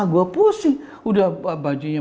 gue pusing udah bajunya